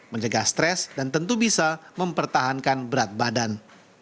menjaga stres dan tentu bisa mempertahankan berat badan